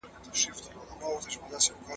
جهاد یوازي په توره نه بلکي په علم هم سي.